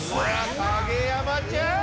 影山ちゃん！